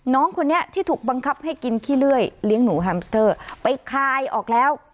น้องคนนี้ที่ถูกบังคับให้กินขี้เลื่อยเลี้ยงหนูแฮมสเตอร์ไปคายออกแล้ว